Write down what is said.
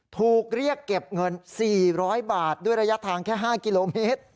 ถูกเรียกเก็บเงิน๔๐๐บาทด้วยระยะทางแค่๕กิโลเมตร